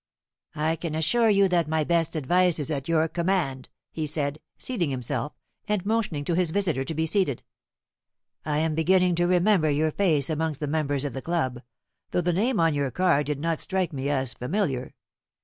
"I can assure you that my best advice is at your command," he said, seating himself, and motioning to his visitor to be seated. "I am beginning to remember your face amongst the members of the club, though the name on your card did not strike me as familiar.